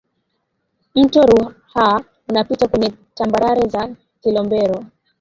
mto ruaha unapita kwenye tambarare za kilombero